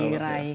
ya insya allah